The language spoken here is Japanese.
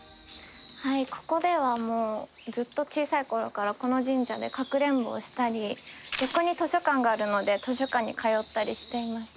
ここではもうずっと小さい頃からこの神社でかくれんぼをしたり横に図書館があるので図書館に通ったりしていました。